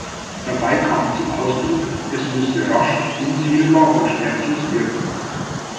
Dabei kam zu Ausdruck, es müsse rasch, unfehlbar und schmerzlos wirken.